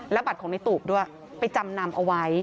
บัตรของในตูบด้วยไปจำนำเอาไว้